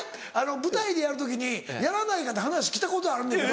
舞台でやる時にやらないかって話来たことあるねんけど。